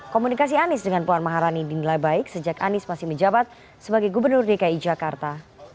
komunikasi anies dengan puan maharani dinilai baik sejak anies masih menjabat sebagai gubernur dki jakarta